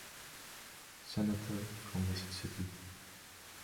Senator from Mississippi.